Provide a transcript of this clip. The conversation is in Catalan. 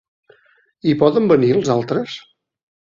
Hi poden venir els altres?